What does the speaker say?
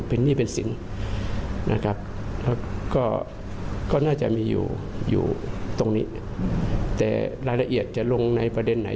เป็นหนี้เป็นสินนะครับแล้วก็ก็น่าจะมีอยู่อยู่ตรงนี้แต่รายละเอียดจะลงในประเด็นไหน